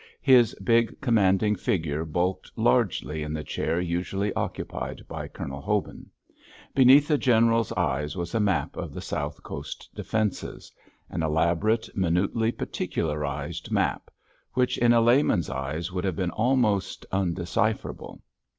His big, commanding figure bulked largely in the chair usually occupied by Colonel Hobin. Beneath the General's eyes was a map of the South Coast defences—an elaborate, minutely particularised map, which in a layman's eyes would have been almost undecipherable.